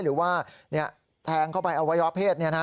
หรือว่าแทงเข้าไปเอาไว้อภัย